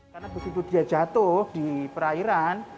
karena begitu dia jatuh di perairan